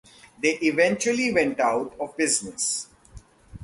They eventually went out of business.